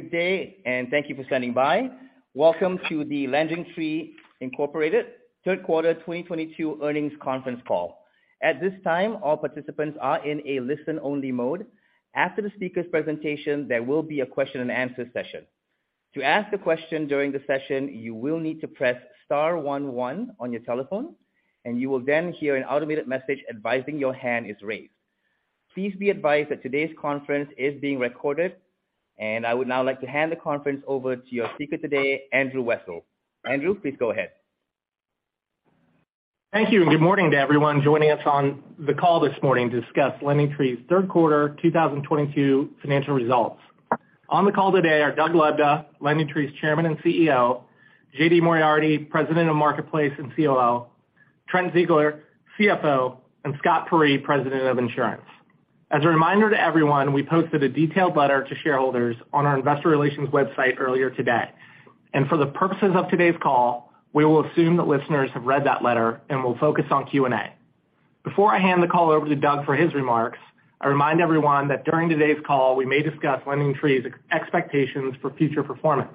Good day, and thank you for standing by. Welcome to the LendingTree, Inc. third quarter 2022 earnings conference call. At this time, all participants are in a listen-only mode. After the speaker's presentation, there will be a question-and-answer session. To ask a question during the session, you will need to press star one one on your telephone, and you will then hear an automated message advising your hand is raised. Please be advised that today's conference is being recorded. I would now like to hand the conference over to your speaker today, Andrew Wessel. Andrew, please go ahead. Thank you, and good morning to everyone joining us on the call this morning to discuss LendingTree's third quarter 2022 financial results. On the call today are Doug Lebda, LendingTree's Chairman and CEO, J.D. Moriarty, President of Marketplace and COO, Trent Ziegler, CFO, and Scott Peyree, President of Insurance. As a reminder to everyone, we posted a detailed letter to shareholders on our investor relations website earlier today. For the purposes of today's call, we will assume that listeners have read that letter and will focus on Q&A. Before I hand the call over to Doug for his remarks, I remind everyone that during today's call, we may discuss LendingTree's expectations for future performance.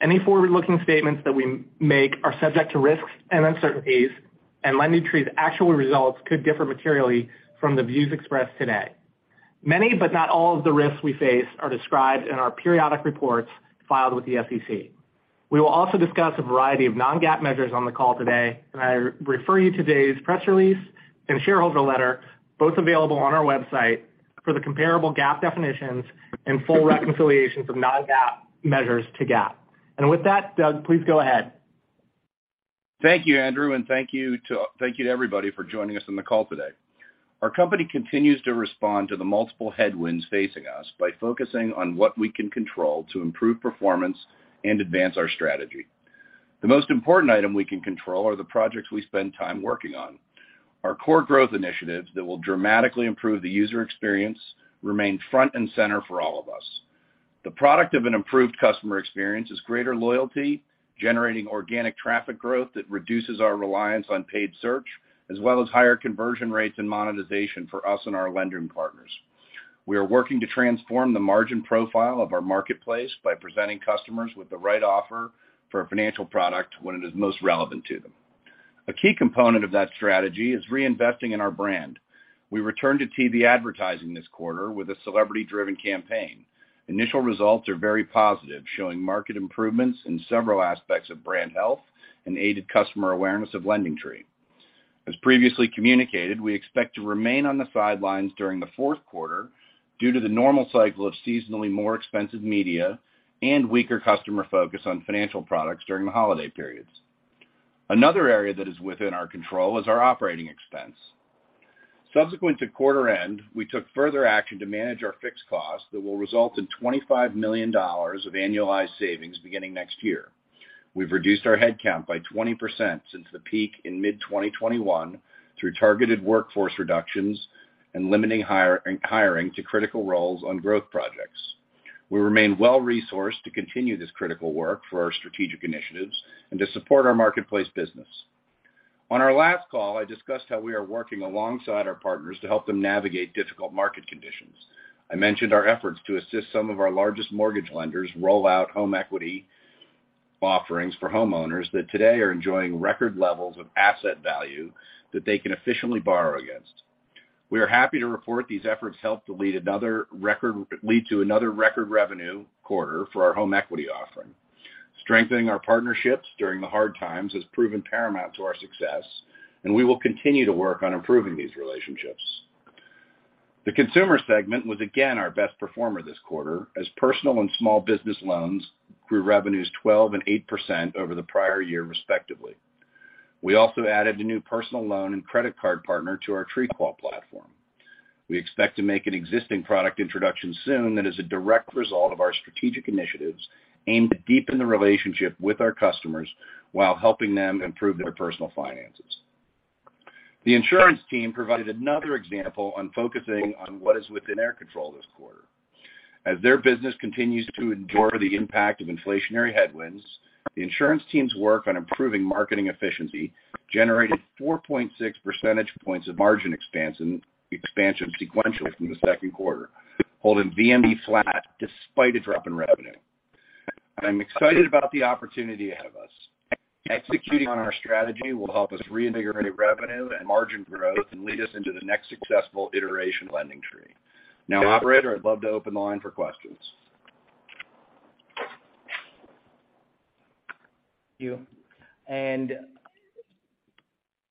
Any forward-looking statements that we make are subject to risks and uncertainties, and LendingTree's actual results could differ materially from the views expressed today. Many, but not all of the risks we face are described in our periodic reports filed with the SEC. We will also discuss a variety of non-GAAP measures on the call today, and I refer you to today's press release and shareholder letter, both available on our website, for the comparable GAAP definitions and full reconciliations of non-GAAP measures to GAAP. With that, Doug, please go ahead. Thank you, Andrew, and thank you to everybody for joining us on the call today. Our company continues to respond to the multiple headwinds facing us by focusing on what we can control to improve performance and advance our strategy. The most important item we can control are the projects we spend time working on. Our core growth initiatives that will dramatically improve the user experience remain front and center for all of us. The product of an improved customer experience is greater loyalty, generating organic traffic growth that reduces our reliance on paid search, as well as higher conversion rates and monetization for us and our lending partners. We are working to transform the margin profile of our marketplace by presenting customers with the right offer for a financial product when it is most relevant to them. A key component of that strategy is reinvesting in our brand. We returned to TV advertising this quarter with a celebrity-driven campaign. Initial results are very positive, showing market improvements in several aspects of brand health and aided customer awareness of LendingTree. As previously communicated, we expect to remain on the sidelines during the fourth quarter due to the normal cycle of seasonally more expensive media and weaker customer focus on financial products during the holiday periods. Another area that is within our control is our operating expense. Subsequent to quarter end, we took further action to manage our fixed costs that will result in $25 million of annualized savings beginning next year. We've reduced our headcount by 20% since the peak in mid-2021 through targeted workforce reductions and limiting hiring to critical roles on growth projects. We remain well-resourced to continue this critical work for our strategic initiatives and to support our marketplace business. On our last call, I discussed how we are working alongside our partners to help them navigate difficult market conditions. I mentioned our efforts to assist some of our largest mortgage lenders roll out home equity offerings for homeowners that today are enjoying record levels of asset value that they can efficiently borrow against. We are happy to report these efforts helped to lead to another record revenue quarter for our home equity offering. Strengthening our partnerships during the hard times has proven paramount to our success, and we will continue to work on improving these relationships. The consumer segment was again our best performer this quarter as personal and small business loans grew revenues 12% and 8% over the prior year, respectively. We also added a new personal loan and credit card partner to our TreeQual platform. We expect to make an existing product introduction soon that is a direct result of our strategic initiatives aimed to deepen the relationship with our customers while helping them improve their personal finances. The insurance team provided another example on focusing on what is within their control this quarter. As their business continues to endure the impact of inflationary headwinds, the insurance team's work on improving marketing efficiency generated 4.6 percentage points of margin expansion sequentially from the second quarter, holding VMM flat despite a drop in revenue. I'm excited about the opportunity ahead of us. Executing on our strategy will help us reinvigorate revenue and margin growth and lead us into the next successful iteration of LendingTree. Now, operator, I'd love to open the line for questions. Thank you.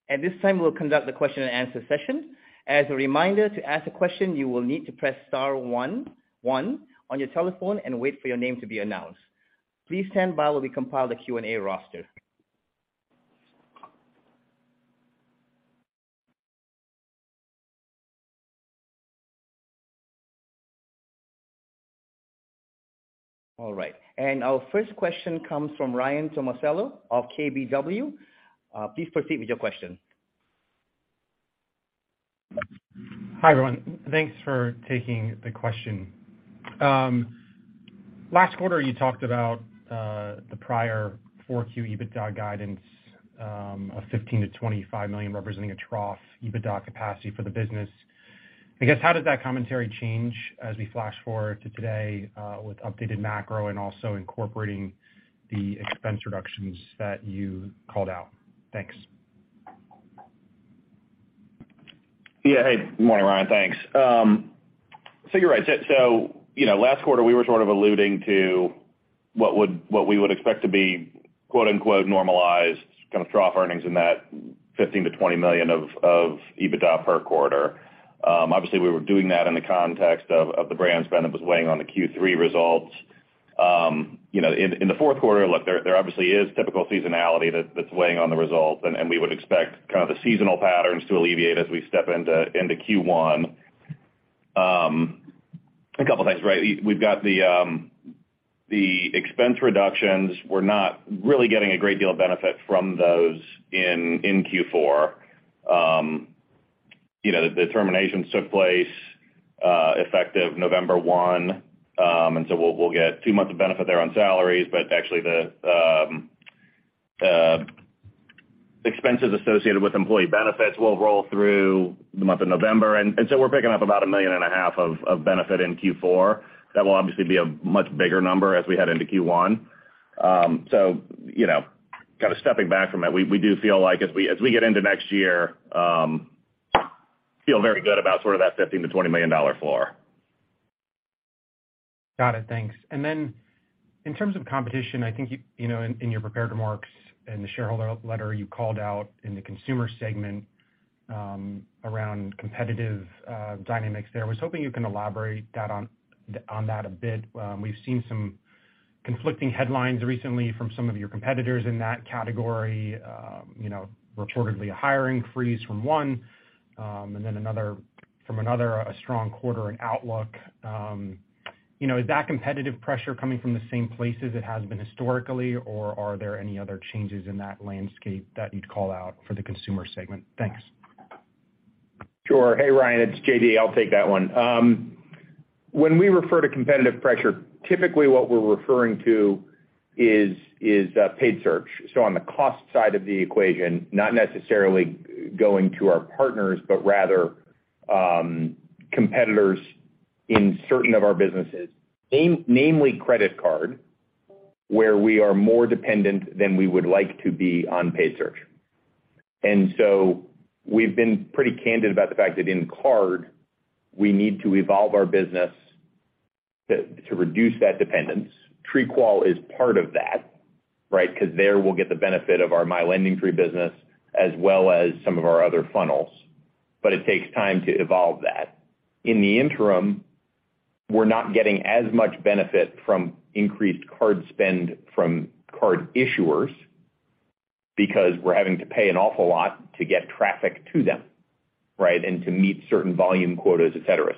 At this time, we'll conduct the question-and-answer session. As a reminder, to ask a question, you will need to press star one one on your telephone and wait for your name to be announced. Please stand by while we compile the Q&A roster. All right. Our first question comes from Ryan Tomasello of KBW. Please proceed with your question. Hi, everyone. Thanks for taking the question. Last quarter, you talked about the prior 4Q EBITDA guidance of $15 million-$25 million representing a trough EBITDA capacity for the business. I guess, how does that commentary change as we flash forward to today, with updated macro and also incorporating the expense reductions that you called out? Thanks. Yeah. Hey, good morning, Ryan. Thanks. So you're right. So, you know, last quarter, we were sort of alluding to what we would expect to be, quote-unquote, normalized kind of trough earnings in that $15 million-$20 million of EBITDA per quarter. Obviously, we were doing that in the context of the brand spend that was weighing on the Q3 results. You know, in the fourth quarter, look, there obviously is typical seasonality that's weighing on the results, and we would expect kind of the seasonal patterns to alleviate as we step into Q1. A couple things, right? We've got the expense reductions. We're not really getting a great deal of benefit from those in Q4. You know, the terminations took place effective November 1. We'll get two months of benefit there on salaries, but actually the expenses associated with employee benefits will roll through the month of November. We're picking up about $1.5 million of benefit in Q4. That will obviously be a much bigger number as we head into Q1. You know, kind of stepping back from it, we do feel like as we get into next year, feel very good about sort of that $15million-$20 million floor. Got it. Thanks. In terms of competition, I think you know, in your prepared remarks in the shareholder letter you called out in the consumer segment, around competitive dynamics there. I was hoping you can elaborate on that a bit. We've seen some conflicting headlines recently from some of your competitors in that category, you know, reportedly a hiring freeze from one, and then from another, a strong quarter and outlook. You know, is that competitive pressure coming from the same places it has been historically, or are there any other changes in that landscape that you'd call out for the consumer segment? Thanks. Sure. Hey, Ryan, it's J.D. I'll take that one. When we refer to competitive pressure, typically what we're referring to is paid search. So on the cost side of the equation, not necessarily going to our partners, but rather, competitors in certain of our businesses. Namely credit card, where we are more dependent than we would like to be on paid search. We've been pretty candid about the fact that in card, we need to evolve our business to reduce that dependence. TreeQual is part of that, right? 'Cause there we'll get the benefit of our My LendingTree business as well as some of our other funnels. It takes time to evolve that. In the interim, we're not getting as much benefit from increased card spend from card issuers because we're having to pay an awful lot to get traffic to them, right, and to meet certain volume quotas, et cetera.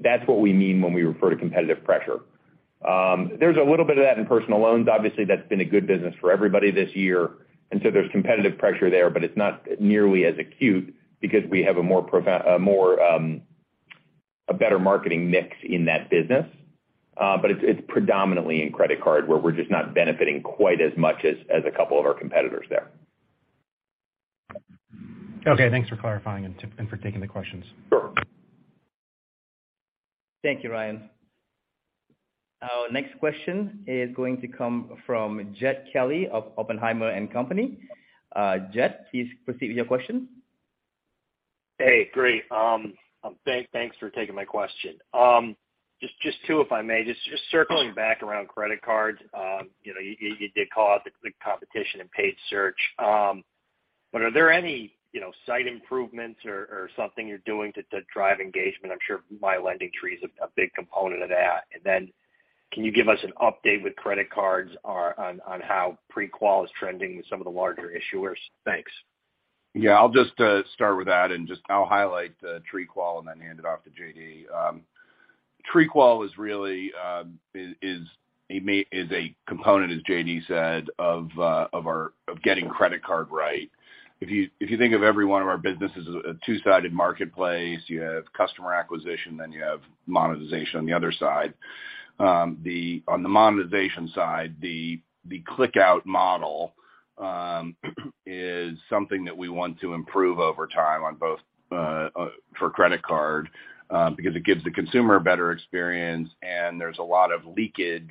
That's what we mean when we refer to competitive pressure. There's a little bit of that in personal loans. Obviously, that's been a good business for everybody this year, and so there's competitive pressure there, but it's not nearly as acute because we have a more a better marketing mix in that business. It's predominantly in credit card, where we're just not benefiting quite as much as a couple of our competitors there. Okay, thanks for clarifying and for taking the questions. Sure. Thank you, Ryan. Our next question is going to come from Jed Kelly of Oppenheimer & Co Jed, please proceed with your question. Hey, great. Thanks for taking my question. Just two, if I may. Just circling back around credit cards. You know, you did call out the competition in paid search. But are there any, you know, site improvements or something you're doing to drive engagement? I'm sure My LendingTree is a big component of that. Can you give us an update with credit cards on how TreeQual is trending with some of the larger issuers? Thanks. Yeah. I'll just start with that and just I'll highlight TreeQual and then hand it off to J.D. TreeQual is really a component, as J.D. said, of our getting credit card right. If you think of every one of our businesses as a two-sided marketplace, you have customer acquisition, then you have monetization on the other side. On the monetization side, the click-out model is something that we want to improve over time on both for credit card because it gives the consumer a better experience and there's a lot of leakage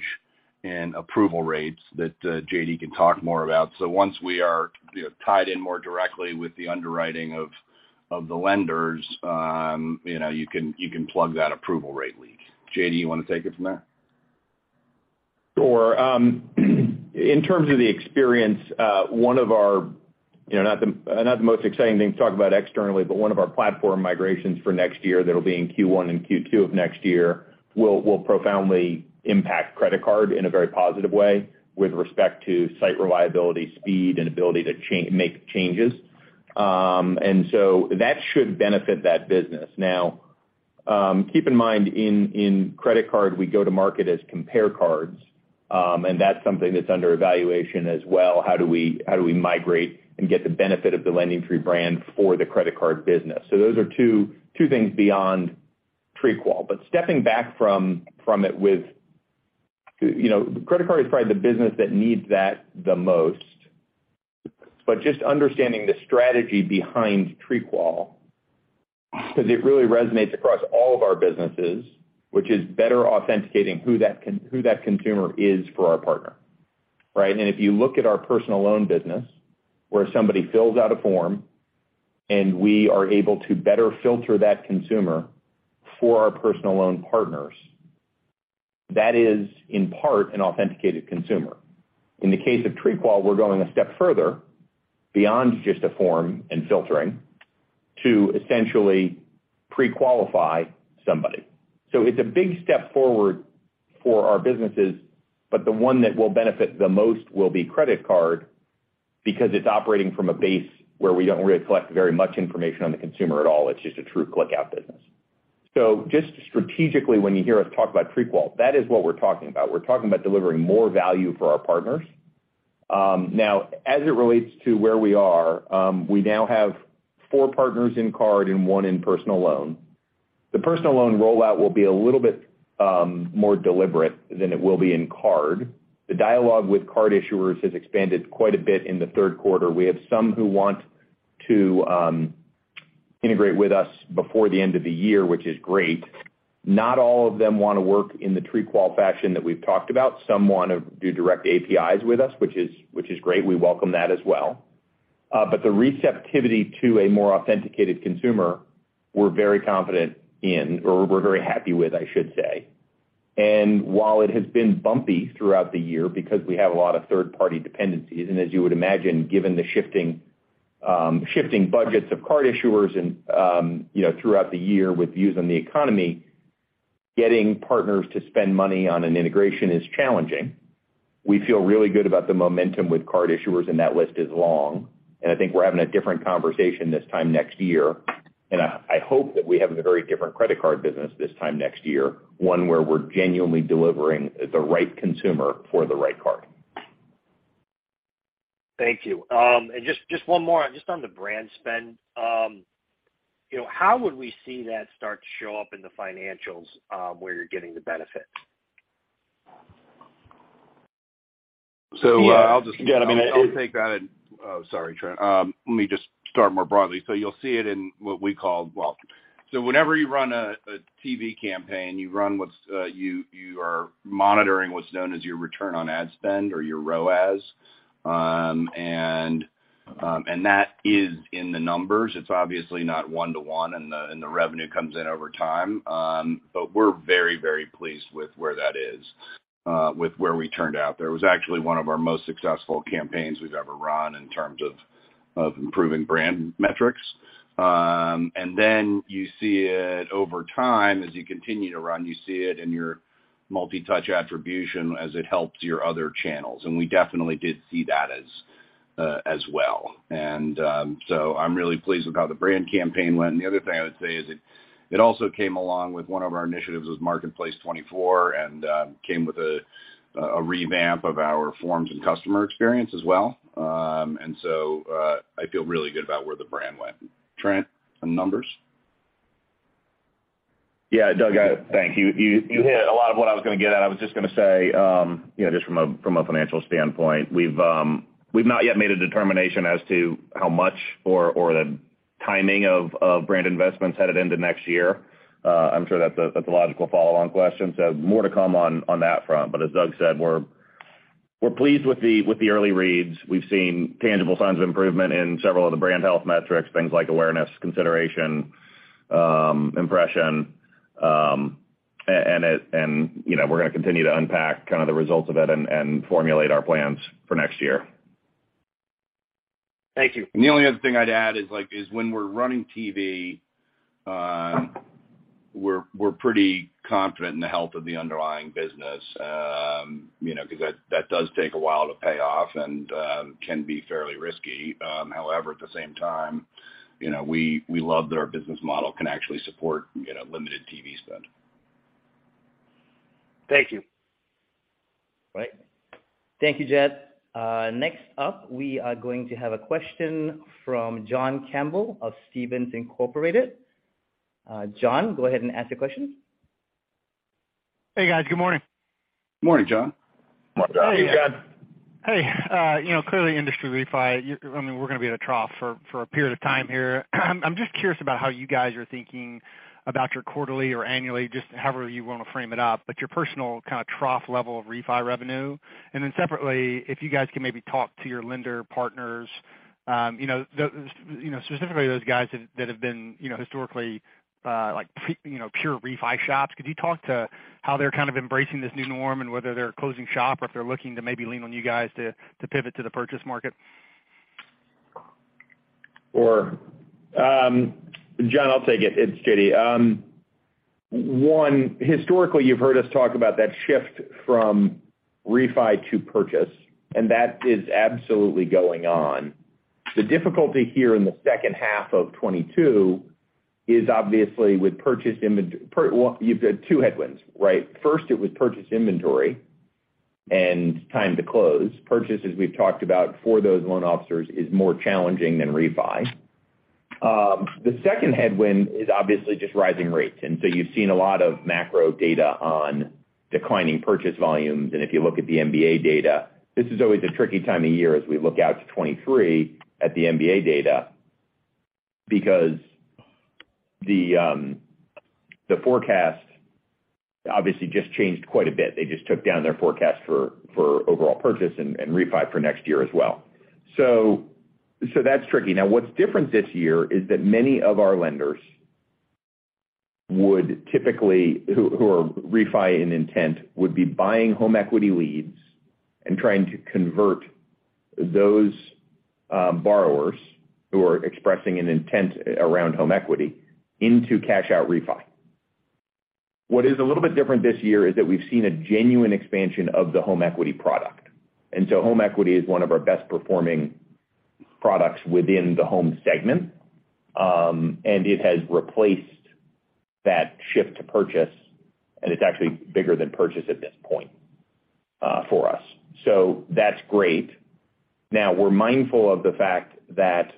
in approval rates that J.D. can talk more about. Once we are, you know, tied in more directly with the underwriting of the lenders, you know, you can plug that approval rate leak. J.D., you wanna take it from there? Sure. In terms of the experience, one of our, you know, not the most exciting thing to talk about externally, but one of our platform migrations for next year that'll be in Q1 and Q2 of next year will profoundly impact credit card in a very positive way with respect to site reliability, speed, and ability to make changes. That should benefit that business. Now, keep in mind, in credit card, we go to market as CompareCards, and that's something that's under evaluation as well. How do we migrate and get the benefit of the LendingTree brand for the credit card business? Those are two things beyond TreeQual. Stepping back from it. You know, credit card is probably the business that needs that the most. Just understanding the strategy behind TreeQual, 'cause it really resonates across all of our businesses, which is better authenticating who that consumer is for our partner, right? If you look at our personal loan business, where somebody fills out a form, and we are able to better filter that consumer for our personal loan partners, that is, in part, an authenticated consumer. In the case of TreeQual, we're going a step further beyond just a form and filtering to essentially pre-qualify somebody. It's a big step forward for our businesses, but the one that will benefit the most will be credit card because it's operating from a base where we don't really collect very much information on the consumer at all. It's just a true click out business. Just strategically, when you hear us talk about TreeQual, that is what we're talking about. We're talking about delivering more value for our partners. Now, as it relates to where we are, we now have four partners in card and one in personal loan. The personal loan rollout will be a little bit more deliberate than it will be in card. The dialogue with card issuers has expanded quite a bit in the third quarter. We have some who want to integrate with us before the end of the year, which is great. Not all of them wanna work in the TreeQual fashion that we've talked about. Some want to do direct APIs with us, which is great. We welcome that as well. The receptivity to a more authenticated consumer, we're very confident in, or we're very happy with, I should say. While it has been bumpy throughout the year because we have a lot of third-party dependencies, and as you would imagine, given the shifting budgets of card issuers and, you know, throughout the year with views on the economy, getting partners to spend money on an integration is challenging. We feel really good about the momentum with card issuers, and that list is long. I think we're having a different conversation this time next year. I hope that we have a very different credit card business this time next year, one where we're genuinely delivering the right consumer for the right card. Thank you. Just one more on the brand spend. You know, how would we see that start to show up in the financials, where you're getting the benefit? I'll take that and... Oh, sorry, Trent. Let me just start more broadly. You'll see it in what we call. Well, whenever you run a TV campaign, you run what's known as your return on ad spend or your ROAS. That is in the numbers. It's obviously not one-to-one, and the revenue comes in over time. We're very, very pleased with where that is, with where we turned out. There was actually one of our most successful campaigns we've ever run in terms of improving brand metrics. You see it over time as you continue to run, you see it in your multi-touch attribution as it helps your other channels. We definitely did see that as well. I'm really pleased with how the brand campaign went. The other thing I would say is it also came along with one of our initiatives with Marketplace twenty-four and came with a revamp of our forms and customer experience as well. I feel really good about where the brand went. Trent, some numbers? Yeah. Doug, thank you. You hit a lot of what I was gonna get at. I was just gonna say, you know, just from a financial standpoint, we've not yet made a determination as to how much or the timing of brand investments headed into next year. I'm sure that's a logical follow-on question. More to come on that front. As Doug said, we're pleased with the early reads. We've seen tangible signs of improvement in several of the brand health metrics, things like awareness, consideration, impression. You know, we're gonna continue to unpack kind of the results of it and formulate our plans for next year. Thank you. The only other thing I'd add is, like, when we're running TV, we're pretty confident in the health of the underlying business, you know, 'cause that does take a while to pay off and can be fairly risky. However, at the same time, you know, we love that our business model can actually support, you know, limited TV spend. Thank you. Great. Thank you, Jed. Next up, we are going to have a question from John Campbell of Stephens Inc. John, go ahead and ask your question. Hey, guys. Good morning. Morning, John. Hey, Jed. Hey, you know, clearly industry refi. I mean, we're gonna be at a trough for a period of time here. I'm just curious about how you guys are thinking about your quarterly or annually, just however you wanna frame it up, but your personal kind of trough level of refi revenue. Separately, if you guys can maybe talk to your lender partners, you know, specifically those guys that have been, you know, historically, like pre- you know, pure refi shops. Could you talk to how they're kind of embracing this new norm and whether they're closing shop or if they're looking to maybe lean on you guys to pivot to the purchase market? Sure. John, I'll take it. It's J.D. One, historically, you've heard us talk about that shift from refi to purchase, and that is absolutely going on. The difficulty here in the second half of 2022 is obviously with purchase inventory. Well, you've got two headwinds, right? First, it was purchase inventory and time to close. Purchase, as we've talked about for those loan officers, is more challenging than refi. The second headwind is obviously just rising rates. You've seen a lot of macro data on declining purchase volumes. If you look at the MBA data, this is always a tricky time of year as we look out to 2023 at the MBA data because the forecast obviously just changed quite a bit. They just took down their forecast for overall purchase and refi for next year as well. That's tricky. Now, what's different this year is that many of our lenders would typically, who are refi in intent, would be buying home equity leads and trying to convert those borrowers who are expressing an intent around home equity into cash out refi. What is a little bit different this year is that we've seen a genuine expansion of the home equity product. Home equity is one of our best performing products within the home segment. It has replaced that shift to purchase, and it's actually bigger than purchase at this point, for us. That's great. Now, we're mindful of the fact that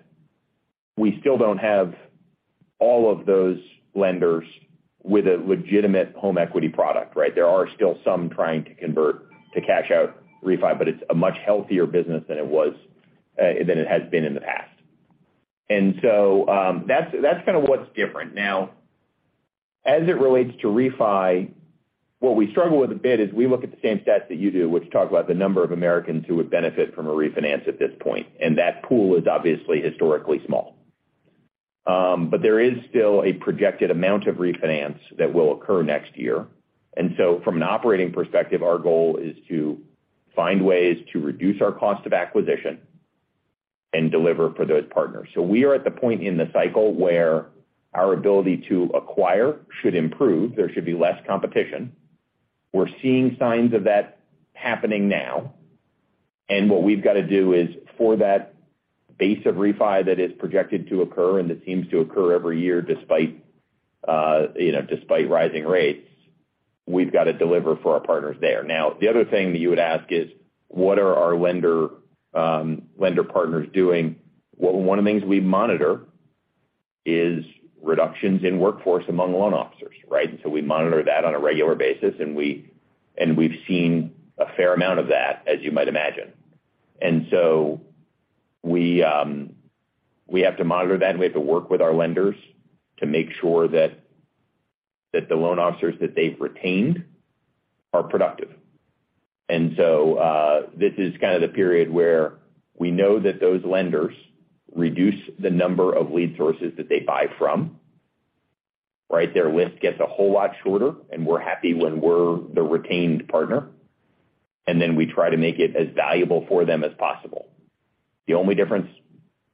we still don't have all of those lenders with a legitimate home equity product, right? There are still some trying to convert to cash out refi, but it's a much healthier business than it was, than it has been in the past. That's kinda what's different. Now, as it relates to refi, what we struggle with a bit is we look at the same stats that you do, which talk about the number of Americans who would benefit from a refinance at this point. That pool is obviously historically small. There is still a projected amount of refinance that will occur next year. From an operating perspective, our goal is to find ways to reduce our cost of acquisition and deliver for those partners. We are at the point in the cycle where our ability to acquire should improve. There should be less competition. We're seeing signs of that happening now. What we've gotta do is for that base of refi that is projected to occur, and it seems to occur every year despite you know, despite rising rates, we've gotta deliver for our partners there. The other thing that you would ask is what are our lender partners doing? One of the things we monitor is reductions in workforce among loan officers, right? We monitor that on a regular basis, and we've seen a fair amount of that, as you might imagine. We have to monitor that, and we have to work with our lenders to make sure that the loan officers that they've retained are productive. This is kind of the period where we know that those lenders reduce the number of lead sources that they buy from, right? Their list gets a whole lot shorter, and we're happy when we're the retained partner. We try to make it as valuable for them as possible. The only difference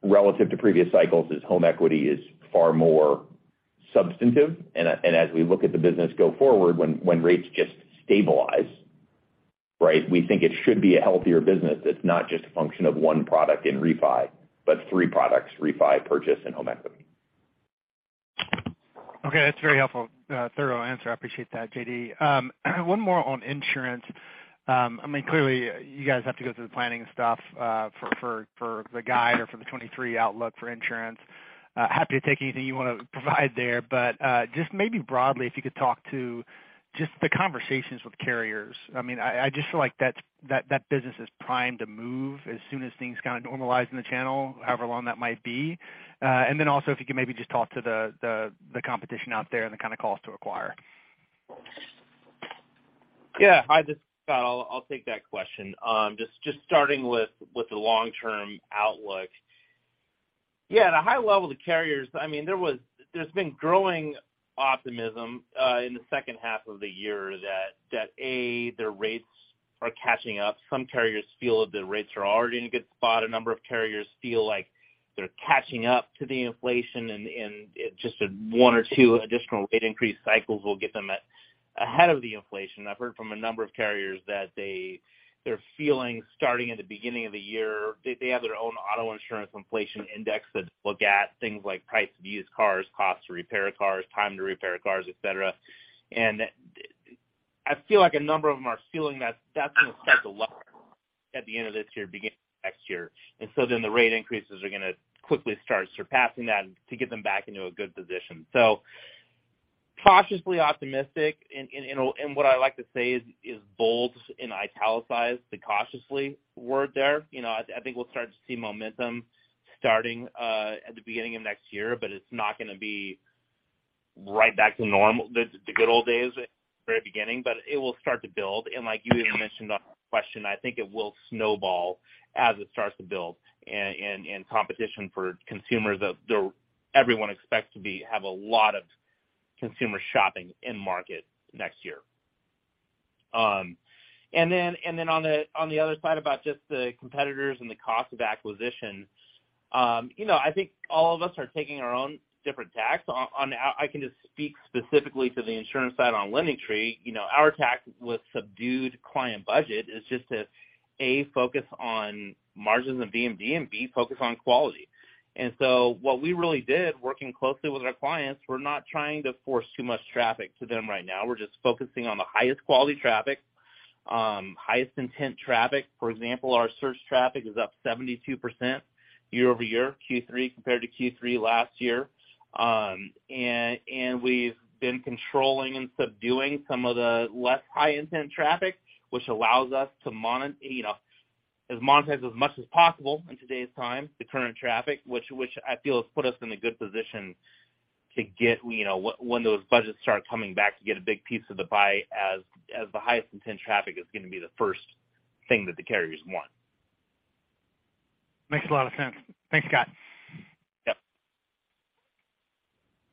relative to previous cycles is home equity is far more substantive. As we look at the business go forward, when rates just stabilize, right? We think it should be a healthier business that's not just a function of one product in refi, but three products, refi, purchase, and home equity. Okay. That's very helpful. Thorough answer. I appreciate that, J.D. One more on insurance. I mean, clearly you guys have to go through the planning stuff for the guide or for the 2023 outlook for insurance. Happy to take anything you wanna provide there. Just maybe broadly, if you could talk to just the conversations with carriers. I mean, I just feel like that business is primed to move as soon as things kind of normalize in the channel, however long that might be. Then also if you could maybe just talk to the competition out there and the kind of cost to acquire. Hi, this is Scott Peyree. I'll take that question. Just starting with the long-term outlook. Yeah, at a high level, the carriers. I mean, there's been growing optimism in the second half of the year that A, their rates are catching up. Some carriers feel that the rates are already in a good spot. A number of carriers feel like they're catching up to the inflation and just one or two additional rate increase cycles will get them ahead of the inflation. I've heard from a number of carriers that they're feeling, starting at the beginning of the year, they have their own auto insurance inflation index that look at things like price of used cars, cost to repair cars, time to repair cars, et cetera. I feel like a number of them are feeling that that's gonna start to lower at the end of this year, beginning of next year. The rate increases are gonna quickly start surpassing that to get them back into a good position. Cautiously optimistic. What I like to say is bold and italicize the cautiously word there. You know, I think we'll start to see momentum starting at the beginning of next year, but it's not gonna be right back to the good old days at the very beginning. It will start to build. Like you even mentioned in the question, I think it will snowball as it starts to build. Competition for consumers. Everyone expects to have a lot of consumer shopping in the market next year. on the other side about just the competitors and the cost of acquisition, you know, I think all of us are taking our own different tacks. I can just speak specifically to the insurance side on LendingTree. You know, our tack with subdued client budget is just to, A, focus on margins and BMD, and B, focus on quality. What we really did, working closely with our clients, we're not trying to force too much traffic to them right now. We're just focusing on the highest quality traffic Highest intent traffic, for example, our search traffic is up 72% year-over-year, Q3 compared to Q3 last year. We've been controlling and subduing some of the less high intent traffic, which allows us to, you know, as monetize as much as possible in today's time, the current traffic, which I feel has put us in a good position to get, you know, when those budgets start coming back, to get a big piece of the buy as the highest intent traffic is gonna be the first thing that the carriers want. Makes a lot of sense. Thanks, Scott. Yep.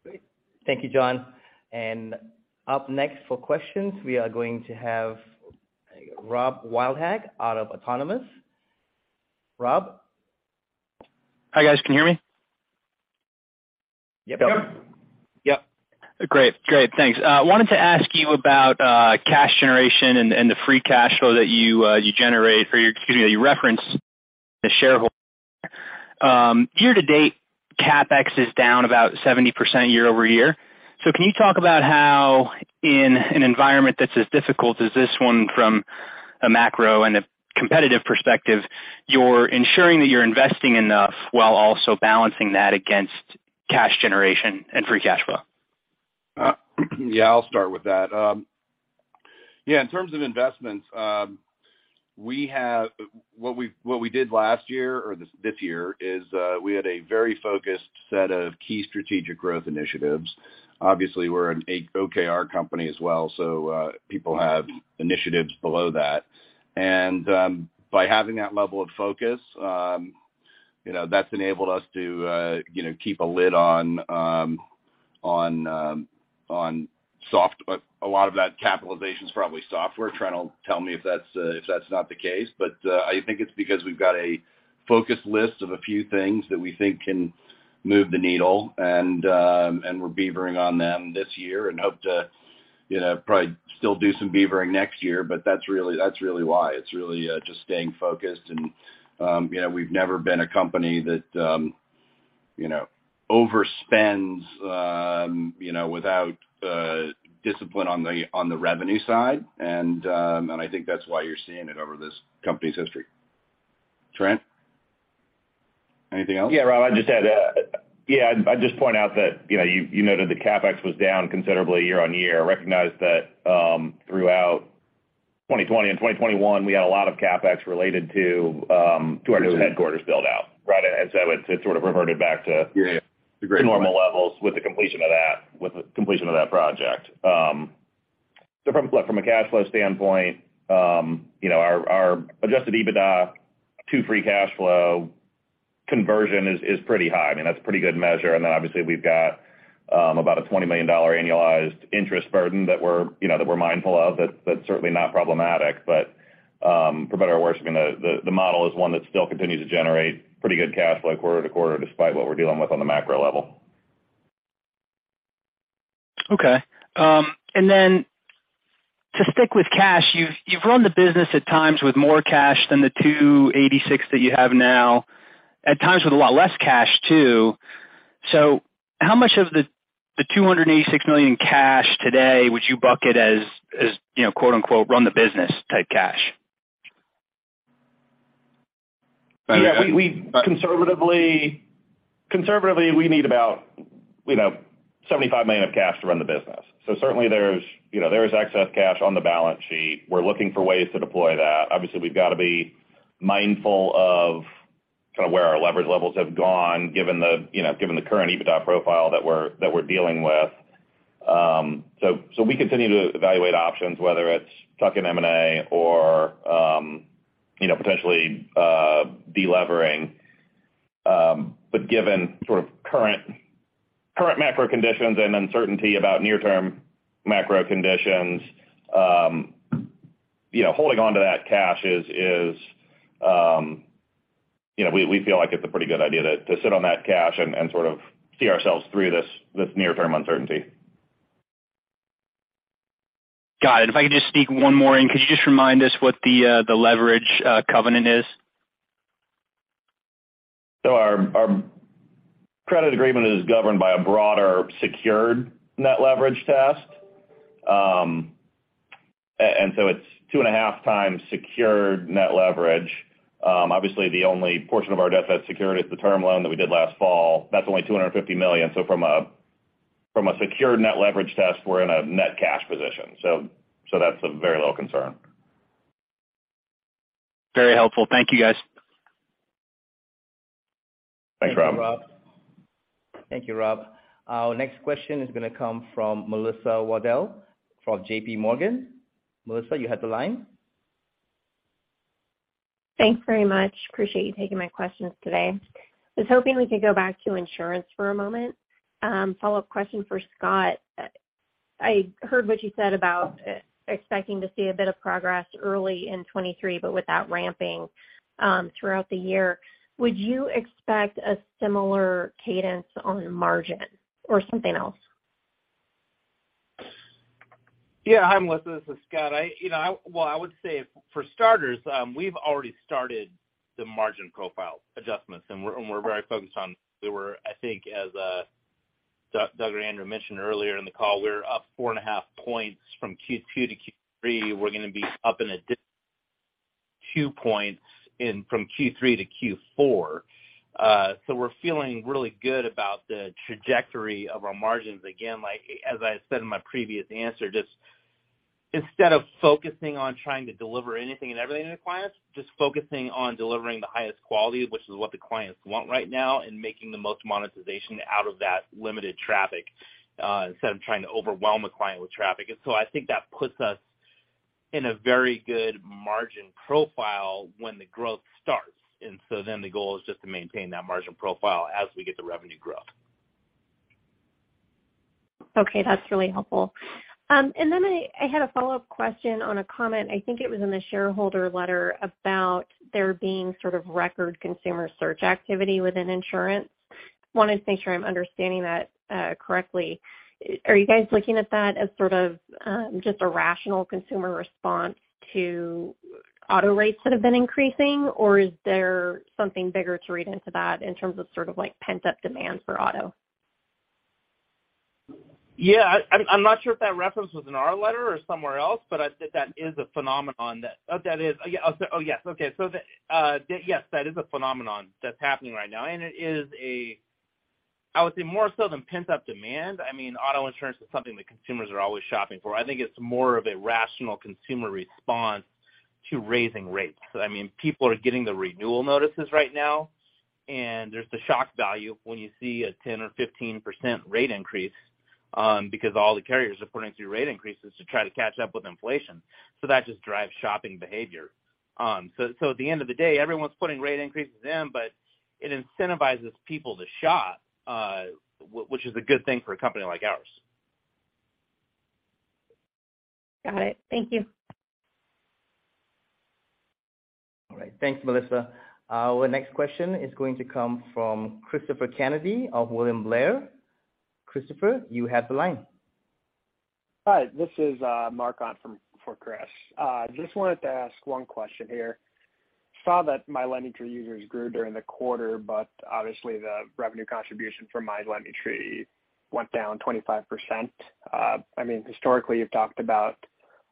Great. Thank you, John. Up next for questions, we are going to have Rob Wildhack out of Autonomous . Rob? Hi, guys. Can you hear me? Yep. Yep. Great. Thanks. Wanted to ask you about cash generation and the free cash flow that you reference to shareholders. Year to date, CapEx is down about 70% year over year. Can you talk about how in an environment that's as difficult as this one from a macro and a competitive perspective, you're ensuring that you're investing enough while also balancing that against cash generation and free cash flow? Yeah, I'll start with that. Yeah, in terms of investments, what we did last year or this year is we had a very focused set of key strategic growth initiatives. Obviously, we're an OKR company as well, so people have initiatives below that. By having that level of focus, you know, that's enabled us to, you know, keep a lid on a lot of that capitalization is probably software. Trent will tell me if that's not the case. I think it's because we've got a focused list of a few things that we think can move the needle and we're beavering on them this year and hope to, you know, probably still do some beavering next year, but that's really why. It's really just staying focused and, you know, we've never been a company that, you know, overspends, you know, without discipline on the revenue side. I think that's why you're seeing it over this company's history. Trent, anything else? Yeah, Rob, I'd just add, yeah, I'd just point out that, you know, you noted that CapEx was down considerably year-over-year. Recognize that, throughout 2020 and 2021, we had a lot of CapEx related to our new headquarters build out, right? It sort of reverted back to- Yeah. Normal levels with the completion of that project. From a cash flow standpoint, you know, our adjusted EBITDA to free cash flow conversion is pretty high. I mean, that's a pretty good measure. Then obviously we've got about a $20 million annualized interest burden that we're mindful of. That's certainly not problematic. For better or worse, I mean, the model is one that still continues to generate pretty good cash flow quarter to quarter despite what we're dealing with on the macro level. Okay. To stick with cash, you've run the business at times with more cash than the $286 million that you have now, at times with a lot less cash too. How much of the $286 million cash today would you bucket as, you know, quote-unquote, "Run the business," type cash? Yeah. We conservatively need about $75 million of cash to run the business. Certainly there's excess cash on the balance sheet. We're looking for ways to deploy that. Obviously, we've got to be mindful of kind of where our leverage levels have gone given the current EBITDA profile that we're dealing with. We continue to evaluate options, whether it's tuck-in M&A or potentially de-levering. Given sort of current macro conditions and uncertainty about near-term macro conditions, holding onto that cash is a pretty good idea to sit on that cash and sort of see ourselves through this near-term uncertainty. Got it. If I could just sneak one more in. Could you just remind us what the leverage covenant is? Our credit agreement is governed by a broader secured net leverage test. It's 2.5x secured net leverage. Obviously, the only portion of our debt that's secured is the term loan that we did last fall. That's only $250 million. From a secured net leverage test, we're in a net cash position. That's of very low concern. Very helpful. Thank you, guys. Thanks, Rob. Thank you, Rob. Our next question is gonna come from Melissa Wedel from JPMorgan. Melissa, you have the line. Thanks very much. Appreciate you taking my questions today. I was hoping we could go back to insurance for a moment. Follow-up question for Scott. I heard what you said about expecting to see a bit of progress early in 2023, but without ramping throughout the year. Would you expect a similar cadence on margin or something else? Yeah. Hi, Melissa, this is Scott. You know, well, I would say for starters, we've already started the margin profile adjustments, and we're very focused on where I think as a. Doug or Andrew mentioned earlier in the call, we're up 4.5 points from Q2 to Q3. We're gonna be up an additional two points from Q3 to Q4. We're feeling really good about the trajectory of our margins. Again, like as I said in my previous answer, just instead of focusing on trying to deliver anything and everything to clients, just focusing on delivering the highest quality, which is what the clients want right now, and making the most monetization out of that limited traffic, instead of trying to overwhelm a client with traffic. I think that puts us in a very good margin profile when the growth starts. The goal is just to maintain that margin profile as we get the revenue growth. Okay, that's really helpful. And then I had a follow-up question on a comment, I think it was in the shareholder letter about there being sort of record consumer search activity within insurance. Wanted to make sure I'm understanding that correctly. Are you guys looking at that as sort of just a rational consumer response to auto rates that have been increasing? Or is there something bigger to read into that in terms of sort of like pent-up demand for auto? I'm not sure if that reference was in our letter or somewhere else, but I think that is a phenomenon that's happening right now, and it is, I would say, more so than pent-up demand. I mean, auto insurance is something that consumers are always shopping for. I think it's more of a rational consumer response to raising rates. I mean, people are getting the renewal notices right now, and there's the shock value when you see a 10% or 15% rate increase, because all the carriers are putting through rate increases to try to catch up with inflation. That just drives shopping behavior. At the end of the day, everyone's putting rate increases in, but it incentivizes people to shop, which is a good thing for a company like ours. Got it. Thank you. All right. Thanks, Melissa. Our next question is going to come from Cristopher Kennedy of William Blair. Christopher, you have the line. Hi, this is Mark on for Chris. Just wanted to ask one question here. Saw that My LendingTree users grew during the quarter, but obviously the revenue contribution for My LendingTree went down 25%. I mean, historically, you've talked about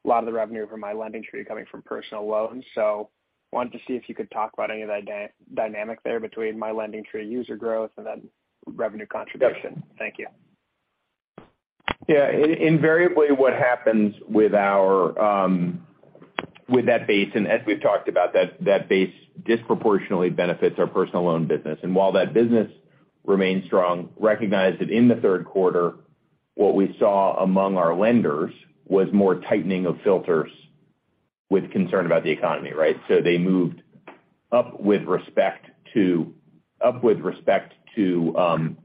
a lot of the revenue from My LendingTree coming from personal loans. Wanted to see if you could talk about any of that dynamic there between My LendingTree user growth and then revenue contribution. Thank you. Yeah. Invariably, what happens with our, with that base, and as we've talked about, that base disproportionately benefits our personal loan business. While that business remains strong, recognize that in the third quarter, what we saw among our lenders was more tightening of filters with concern about the economy, right? They moved up with respect to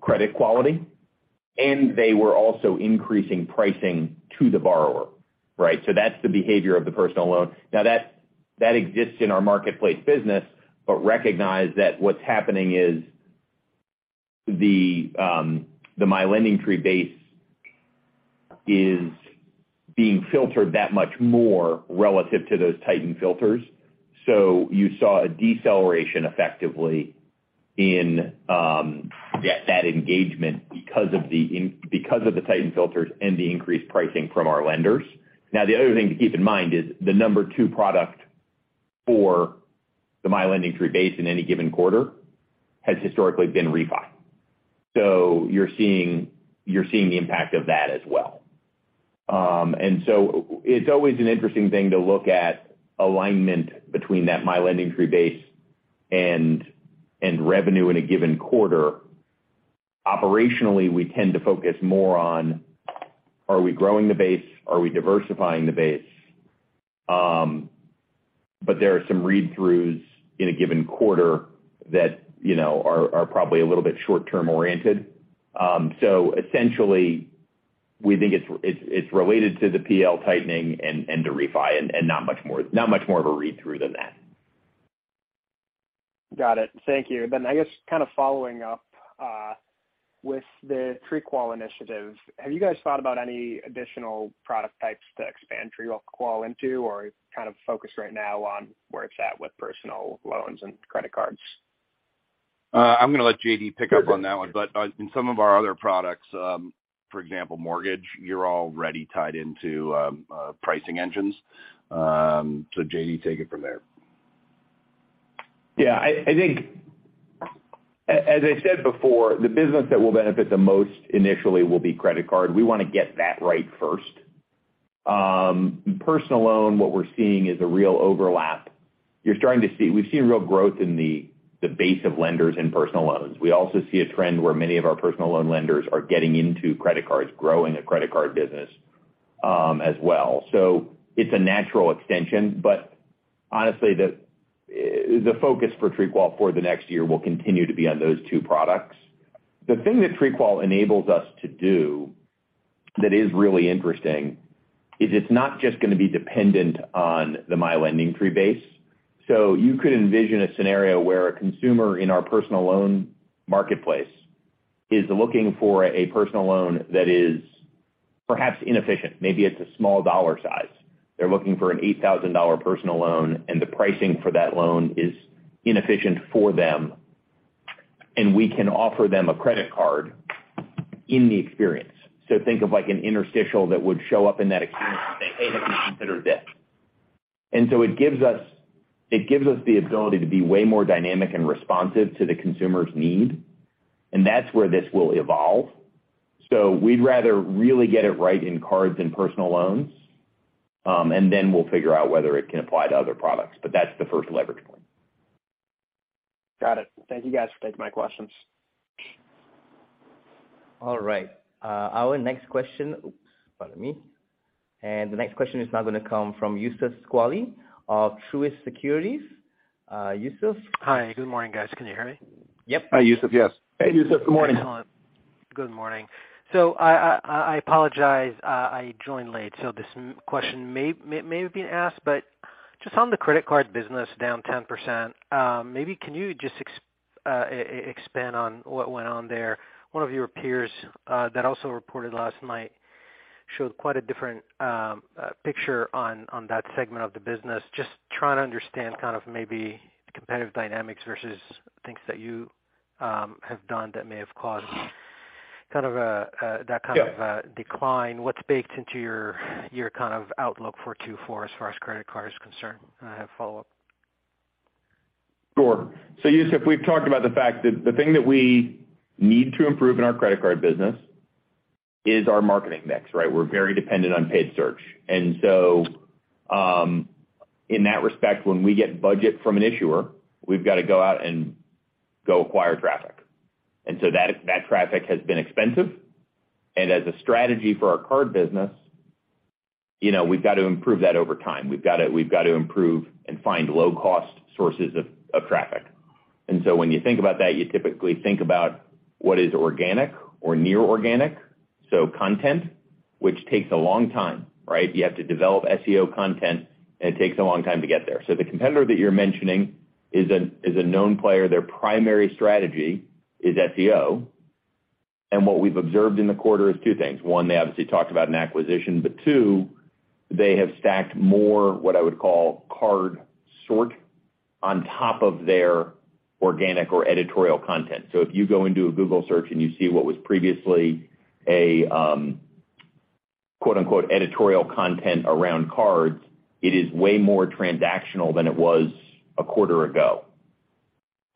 credit quality, and they were also increasing pricing to the borrower, right? That's the behavior of the personal loan. Now that exists in our marketplace business, but recognize that what's happening is the My LendingTree base is being filtered that much more relative to those tightened filters. You saw a deceleration effectively in that engagement because of the tightened filters and the increased pricing from our lenders. Now, the other thing to keep in mind is the number two product for the My LendingTree base in any given quarter has historically been refi. You're seeing the impact of that as well. It's always an interesting thing to look at alignment between that My LendingTree base and revenue in a given quarter. Operationally, we tend to focus more on are we growing the base? Are we diversifying the base? There are some read-throughs in a given quarter that, you know, are probably a little bit short-term oriented. Essentially we think it's related to the PL tightening and the refi and not much more of a read-through than that. Got it. Thank you. I guess kind of following up with the TreeQual initiative, have you guys thought about any additional product types to expand TreeQual into or kind of focus right now on where it's at with personal loans and credit cards? I'm gonna let J.D. pick up on that one. In some of our other products, for example, mortgage, you're already tied into pricing engines. J.D., take it from there. Yeah. I think, as I said before, the business that will benefit the most initially will be credit card. We wanna get that right first. Personal loan, what we're seeing is a real overlap. You're starting to see. We've seen real growth in the base of lenders in personal loans. We also see a trend where many of our personal loan lenders are getting into credit cards, growing a credit card business, as well. It's a natural extension. Honestly, the focus for TreeQual for the next year will continue to be on those two products. The thing that TreeQual enables us to do that is really interesting is it's not just gonna be dependent on the My LendingTree base. You could envision a scenario where a consumer in our personal loan marketplace is looking for a personal loan that is perhaps inefficient. Maybe it's a small dollar size. They're looking for an $8,000 personal loan, and the pricing for that loan is inefficient for them, and we can offer them a credit card in the experience. Think of like an interstitial that would show up in that experience and say, "Hey, have you considered this?" It gives us the ability to be way more dynamic and responsive to the consumer's need, and that's where this will evolve. We'd rather really get it right in cards than personal loans, and then we'll figure out whether it can apply to other products, but that's the first leverage point. Got it. Thank you guys for taking my questions. All right. The next question is now gonna come from Youssef Squali of Truist Securities. Yusuf? Hi. Good morning, guys. Can you hear me? Yep. Hi, Youssef. Yes. Hey, Youssef. Good morning. Excellent. Good morning. I apologize, I joined late, so this question may have been asked, but just on the credit card business down 10%, maybe can you just expand on what went on there? One of your peers that also reported last night showed quite a different picture on that segment of the business. Just trying to understand kind of maybe the competitive dynamics versus things that you have done that may have caused kind of a Yeah that kind of a decline. What's baked into your kind of outlook for 2024 as far as credit card is concerned? I have follow-up. Sure. Youssef, we've talked about the fact that the thing that we need to improve in our credit card business is our marketing mix, right? We're very dependent on paid search. In that respect, when we get budget from an issuer, we've got to go out and go acquire traffic. That traffic has been expensive. As a strategy for our card business, you know, we've got to improve that over time. We've got to improve and find low-cost sources of traffic. When you think about that, you typically think about what is organic or near organic, so content, which takes a long time, right? You have to develop SEO content, and it takes a long time to get there. The competitor that you're mentioning is a known player. Their primary strategy is SEO. What we've observed in the quarter is two things. One, they obviously talked about an acquisition. Two, they have stacked more, what I would call card sort on top of their organic or editorial content. If you go and do a Google search and you see what was previously a quote-unquote editorial content around cards, it is way more transactional than it was a quarter ago.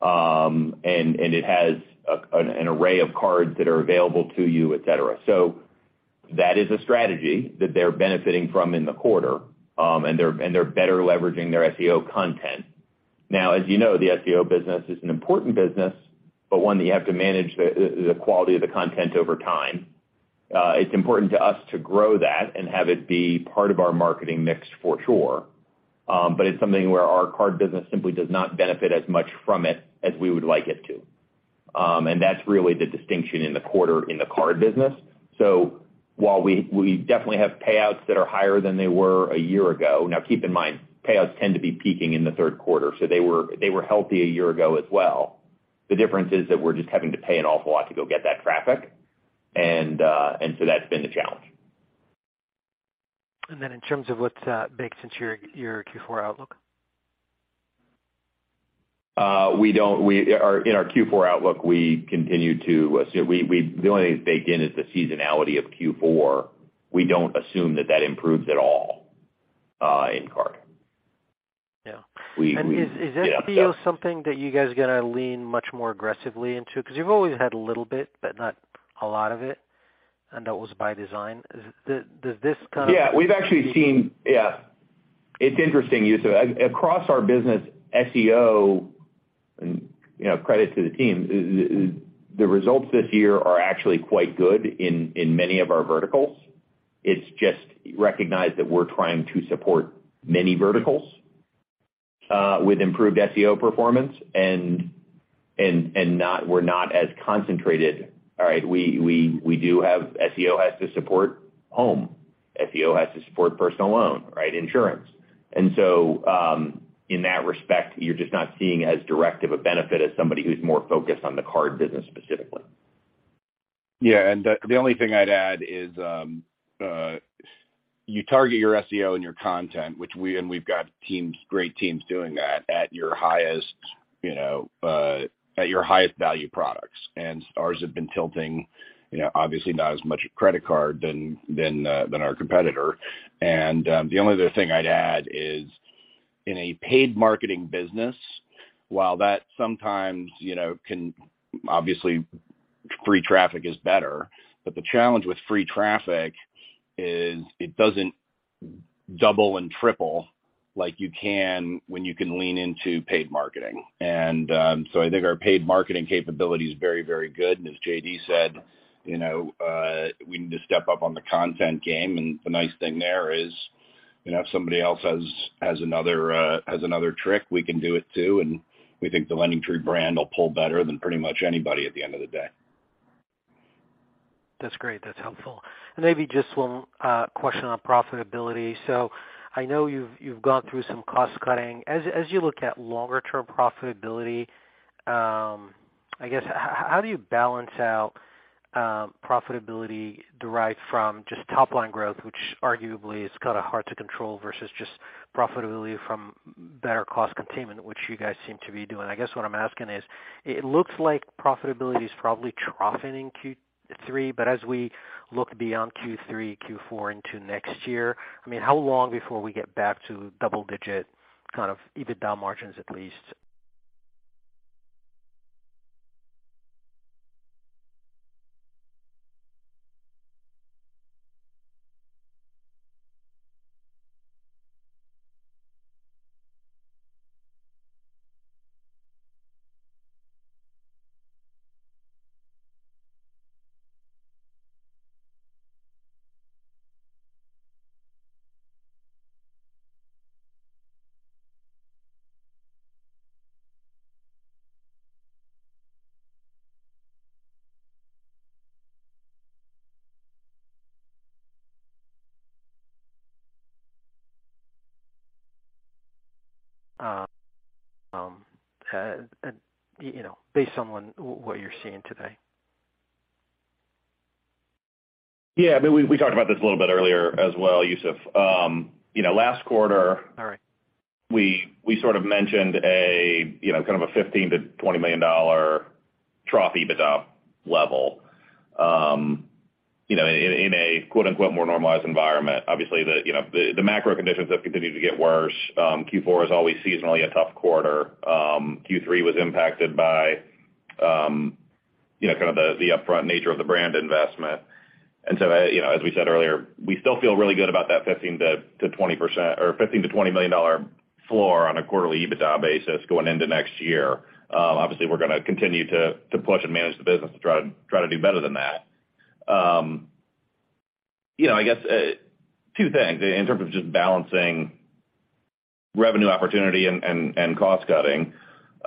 It has an array of cards that are available to you, et cetera. That is a strategy that they're benefiting from in the quarter, and they're better leveraging their SEO content. Now, as you know, the SEO business is an important business, but one that you have to manage the quality of the content over time. It's important to us to grow that and have it be part of our marketing mix for sure. It's something where our card business simply does not benefit as much from it as we would like it to. That's really the distinction in the quarter in the card business. While we definitely have payouts that are higher than they were a year ago. Now, keep in mind, payouts tend to be peaking in the third quarter, so they were healthy a year ago as well. The difference is that we're just having to pay an awful lot to go get that traffic. That's been the challenge. In terms of what's baked into your Q4 outlook? In our Q4 outlook, we continue to assume the only thing baked in is the seasonality of Q4. We don't assume that improves at all in cards. Yeah. We, we- Is SEO something? Yeah that you guys are gonna lean much more aggressively into? 'Cause you've always had a little bit, but not a lot of it, and that was by design. Does this kind of- Yeah. We've actually seen. Yeah. It's interesting, Youssef. Across our business, SEO, and, you know, credit to the team is the results this year are actually quite good in many of our verticals. It's just recognize that we're trying to support many verticals with improved SEO performance and not, we're not as concentrated. All right? We do have. SEO has to support home. SEO has to support personal loan, right, insurance. In that respect, you're just not seeing as direct of a benefit as somebody who's more focused on the card business specifically. Yeah. The only thing I'd add is you target your SEO and your content, and we've got teams, great teams doing that at your highest value products. Ours have been tilting, you know, obviously not as much credit card than our competitor. The only other thing I'd add is in a paid marketing business, while that sometimes can. Obviously, free traffic is better, but the challenge with free traffic is it doesn't double and triple like you can when you can lean into paid marketing. I think our paid marketing capability is very, very good. As J.D. said, you know, we need to step up on the content game, and the nice thing there is, you know, if somebody else has another trick, we can do it too, and we think the LendingTree brand will pull better than pretty much anybody at the end of the day. That's great. That's helpful. Maybe just one question on profitability. I know you've gone through some cost-cutting. As you look at longer term profitability, I guess how do you balance out profitability derived from just top line growth, which arguably is kind of hard to control versus just profitability from better cost containment, which you guys seem to be doing? I guess what I'm asking is it looks like profitability is probably troughing in Q3, but as we look beyond Q3, Q4 into next year, I mean, how long before we get back to double digit kind of EBITDA margins at least? You know, based on what you're seeing today. Yeah, but we talked about this a little bit earlier as well, Youssef. You know, last quarter. All right. We sort of mentioned, you know, kind of a $15million-$20 million trough EBITDA level in a quote-unquote more normalized environment. Obviously, the macro conditions have continued to get worse. Q4 is always seasonally a tough quarter. Q3 was impacted by the upfront nature of the brand investment. You know, as we said earlier, we still feel really good about that 15%-20% or $15million-$20 million floor on a quarterly EBITDA basis going into next year. Obviously, we're gonna continue to push and manage the business to try to do better than that. You know, I guess two things in terms of just balancing revenue opportunity and cost cutting.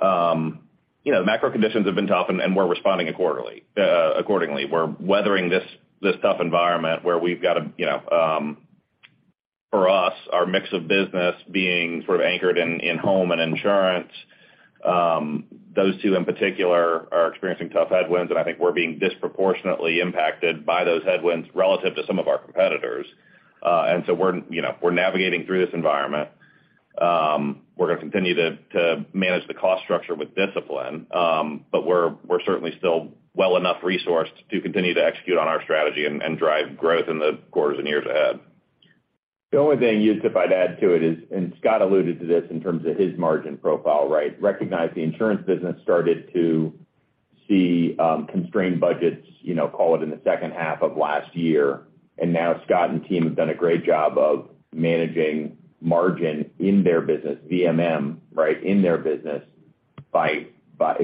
You know, macro conditions have been tough and we're responding quarterly, accordingly. We're weathering this tough environment where we've got, you know, for us, our mix of business being sort of anchored in home and insurance. Those two in particular are experiencing tough headwinds, and I think we're being disproportionately impacted by those headwinds relative to some of our competitors. We're navigating through this environment. We're gonna continue to manage the cost structure with discipline. But we're certainly still well enough resourced to continue to execute on our strategy and drive growth in the quarters and years ahead. The only thing, Youssef, I'd add to it is, and Scott alluded to this in terms of his margin profile, right? Recognize the insurance business started to see constrained budgets, you know, call it in the second half of last year. Now Scott and team have done a great job of managing margin in their business, VMM, right, in their business by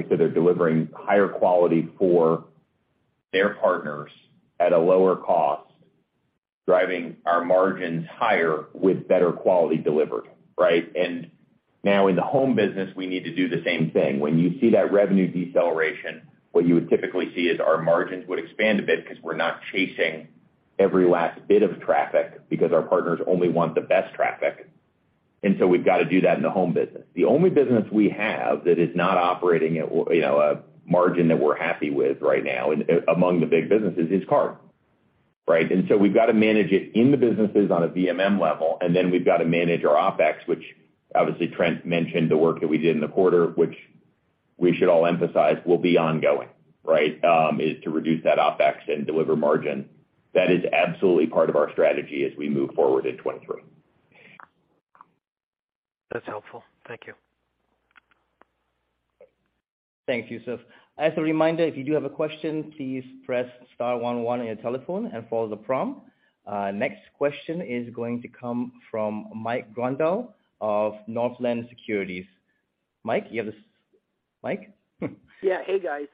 so they're delivering higher quality for their partners at a lower cost, driving our margins higher with better quality delivered, right? Now in the home business, we need to do the same thing. When you see that revenue deceleration, what you would typically see is our margins would expand a bit because we're not chasing every last bit of traffic because our partners only want the best traffic. We've got to do that in the home business. The only business we have that is not operating at, you know, a margin that we're happy with right now among the big businesses is car, right? We've got to manage it in the businesses on a VMM level, and then we've got to manage our OpEx, which obviously Trent mentioned the work that we did in the quarter, which we should all emphasize will be ongoing, right? is to reduce that OpEx and deliver margin. That is absolutely part of our strategy as we move forward in 2023. That's helpful. Thank you. Thanks, Youssef. As a reminder, if you do have a question, please press star one one on your telephone and follow the prompt. Next question is going to come from Mike Grondahl of Northland Securities. Mike? Yeah. Hey, guys.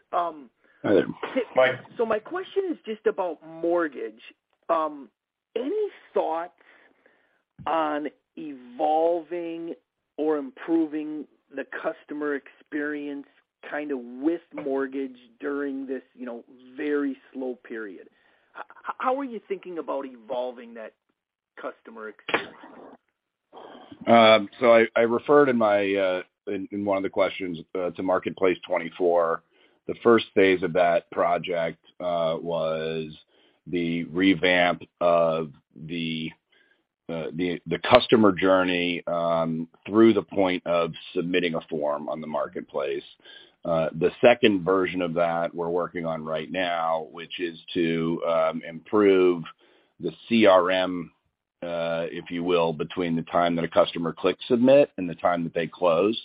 Hi there. Mike. My question is just about mortgage. Any thoughts on evolving or improving the customer experience kinda with mortgage during this, you know, very slow period? How are you thinking about evolving that customer experience? I referred in one of the questions to Marketplace twenty-four. The first phase of that project was the revamp of the customer journey through the point of submitting a form on the marketplace. The second version of that we're working on right now, which is to improve the CRM if you will, between the time that a customer clicks submit and the time that they close.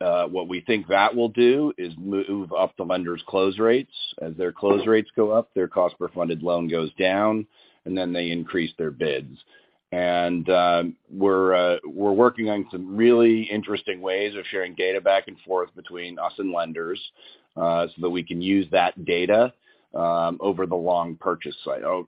What we think that will do is move up the lender's close rates. As their close rates go up, their cost per funded loan goes down, and then they increase their bids. We're working on some really interesting ways of sharing data back and forth between us and lenders, so that we can use that data over the long purchase cycle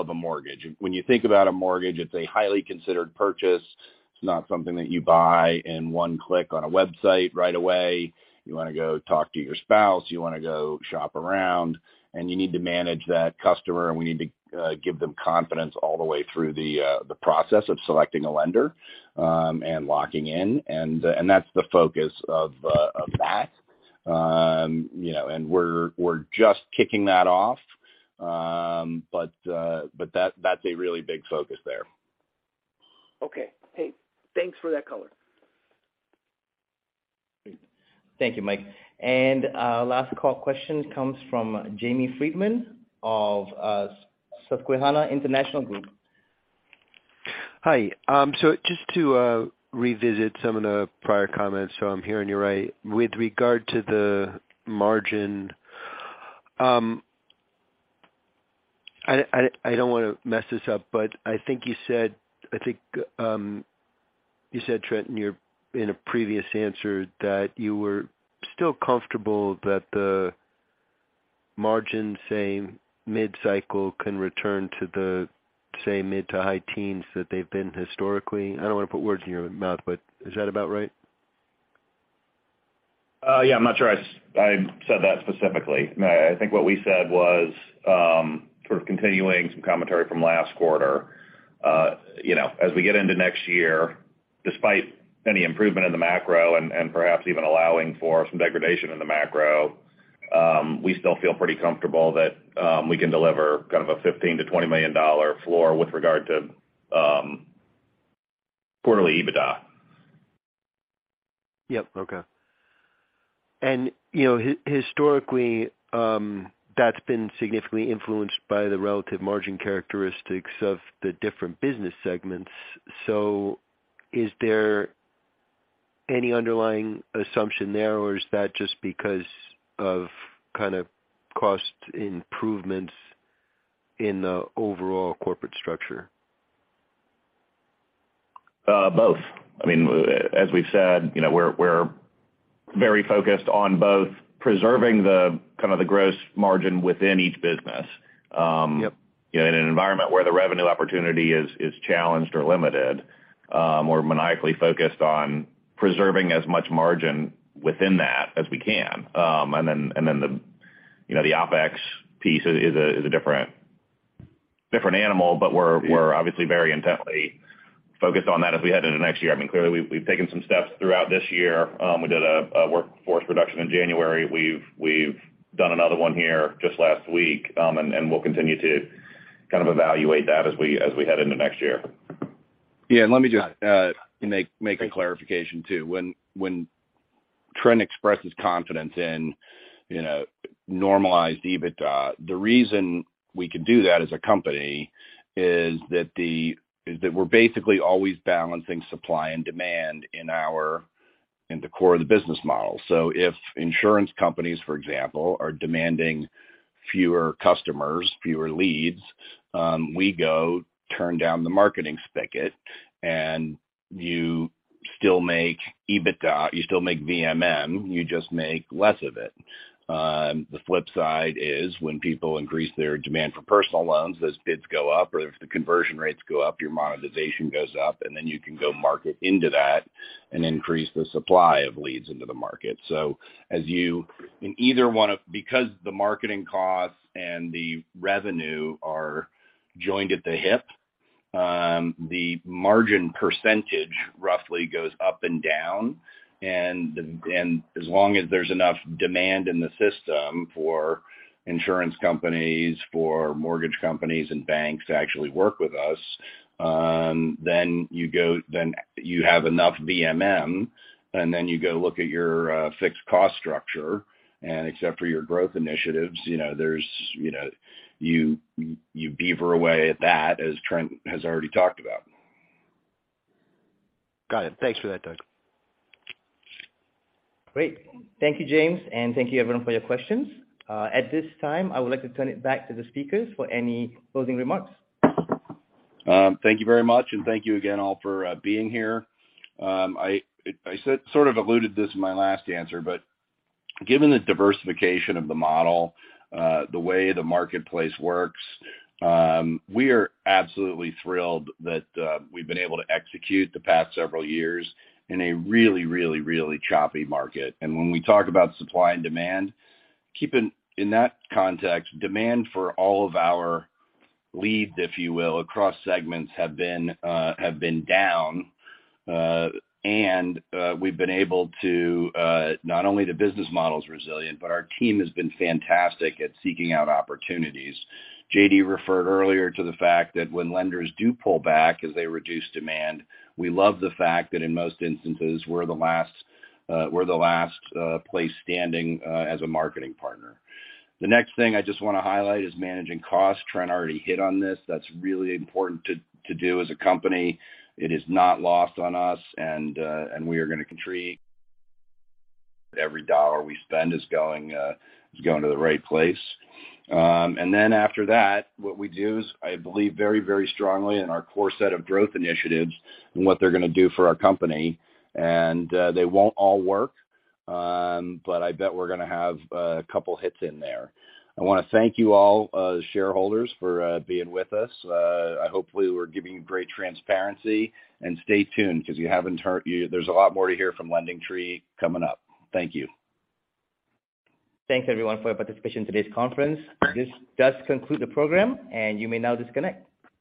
of a mortgage. When you think about a mortgage, it's a highly considered purchase. It's not something that you buy in one click on a website right away. You wanna go talk to your spouse, you wanna go shop around, and you need to manage that customer, and we need to give them confidence all the way through the process of selecting a lender, and locking in. That's the focus of, you know, and we're just kicking that off. But that's a really big focus there. Okay, great. Thanks for that color. Great. Thank you, Mike. Last call question comes from Jamie Friedman of Susquehanna International Group. Hi. Just to revisit some of the prior comments, I'm hearing you right. With regard to the margin, I don't wanna mess this up, but I think you said, Trent, in a previous answer that you were still comfortable that the margin, say, mid-cycle can return to the, say, mid to high teens that they've been historically. I don't wanna put words in your mouth, but is that about right? Yeah, I'm not sure I said that specifically. No, I think what we said was, sort of continuing some commentary from last quarter. You know, as we get into next year, despite any improvement in the macro and perhaps even allowing for some degradation in the macro, we still feel pretty comfortable that we can deliver kind of a $15 million-$20 million floor with regard to quarterly EBITDA. Yep. Okay. You know, historically, that's been significantly influenced by the relative margin characteristics of the different business segments. Is there any underlying assumption there, or is that just because of kind of cost improvements in the overall corporate structure? Both. I mean, as we've said, you know, we're very focused on both preserving the kind of gross margin within each business. Yep. You know, in an environment where the revenue opportunity is challenged or limited, we're maniacally focused on preserving as much margin within that as we can. You know, the OpEx piece is a different animal. Yeah. We're obviously very intently focused on that as we head into next year. I mean, clearly, we've taken some steps throughout this year. We did a workforce reduction in January. We've done another one here just last week, and we'll continue to kind of evaluate that as we head into next year. Yeah, let me just make a clarification too. When Trent expresses confidence in, you know, normalized EBITDA, the reason we could do that as a company is that is that we're basically always balancing supply and demand in the core of the business model. If insurance companies, for example, are demanding fewer customers, fewer leads, we go turn down the marketing spigot, and you still make EBITDA, you still make VMM, you just make less of it. The flip side is when people increase their demand for personal loans, those bids go up, or if the conversion rates go up, your monetization goes up, and then you can go market into that and increase the supply of leads into the market. As you Because the marketing costs and the revenue are joined at the hip, the margin percentage roughly goes up and down. As long as there's enough demand in the system for insurance companies, for mortgage companies and banks to actually work with us, then you have enough VMM, and then you go look at your fixed cost structure. Except for your growth initiatives, you know, there's, you know, you beaver away at that, as Trent has already talked about. Got it. Thanks for that, Doug. Great. Thank you, Jamie. Thank you everyone for your questions. At this time, I would like to turn it back to the speakers for any closing remarks. Thank you very much, and thank you again all for being here. I sort of alluded to this in my last answer, but given the diversification of the model, the way the marketplace works, we are absolutely thrilled that we've been able to execute the past several years in a really choppy market. When we talk about supply and demand, keeping in that context, demand for all of our leads, if you will, across segments have been down. We've been able to not only the business model's resilient, but our team has been fantastic at seeking out opportunities. J.D. referred earlier to the fact that when lenders do pull back as they reduce demand, we love the fact that in most instances, we're the last place standing as a marketing partner. The next thing I just wanna highlight is managing costs. Trent already hit on this. That's really important to do as a company. It is not lost on us and we are gonna continue. Every dollar we spend is going to the right place. Then after that, what we do is, I believe very, very strongly in our core set of growth initiatives and what they're gonna do for our company. They won't all work, but I bet we're gonna have a couple hits in there. I wanna thank you all, shareholders for being with us. Hopefully, we're giving great transparency. Stay tuned because you haven't heard there's a lot more to hear from LendingTree coming up. Thank you. Thanks everyone for your participation in today's conference. This does conclude the program, and you may now disconnect.